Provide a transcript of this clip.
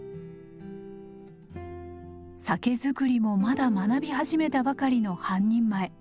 酒造りもまだ学び始めたばかりの半人前。